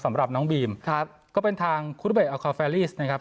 สำหรับน้องบีมครับก็เป็นทางนะครับ